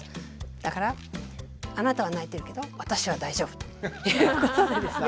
だからあなたは泣いてるけど私は大丈夫ということでですね